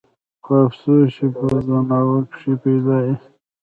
خو افسوس چې پۀ ځناورو کښې پېدا ئې